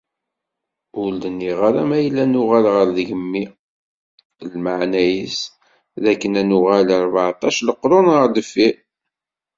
Ur d-nniɣ ara mayella nuɣal ɣer tgemmi, lmeɛna-is d akken ad nuɣal rbeεṭac leqrun ɣer deffir.